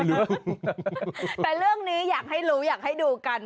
แต่เรื่องนี้อยากให้รู้อยากให้ดูกัน